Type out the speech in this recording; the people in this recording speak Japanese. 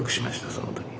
その時に。